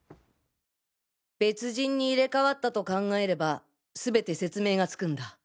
別人に入れ替わったと考えれば全て説明がつくんだ。